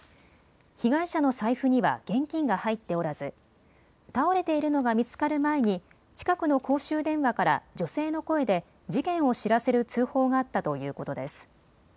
被害者の財布には現金が入っておらず倒れているのが見つかる前に近くの公衆電話から女性の声で事件を知らせる通報があったということです。